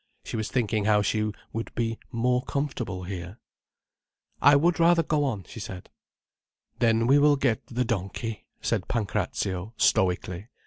She was thinking how she would be "more comfortable" here. "I would rather go on," she said. "Then we will get the donkey," said Pancrazio stoically.